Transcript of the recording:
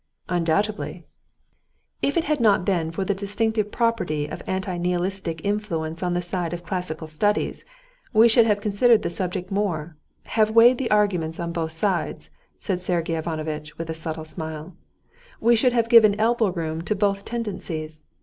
"Undoubtedly." "If it had not been for the distinctive property of anti nihilistic influence on the side of classical studies, we should have considered the subject more, have weighed the arguments on both sides," said Sergey Ivanovitch with a subtle smile, "we should have given elbow room to both tendencies.